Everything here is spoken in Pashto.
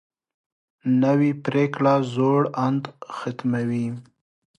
نوې پریکړه زوړ اند ختموي